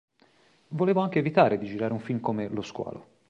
Volevo anche evitare di girare un film come "Lo squalo".